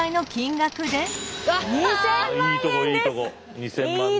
２，０００万円です。